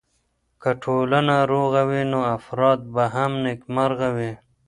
که ټولنه روغه وي نو افراد به هم نېکمرغه وي.